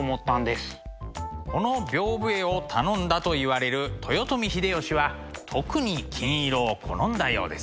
この屏風絵を頼んだといわれる豊臣秀吉は特に金色を好んだようです。